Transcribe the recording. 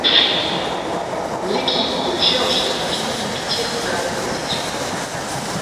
L'équipe de Géorgie finit huitième de la compétition.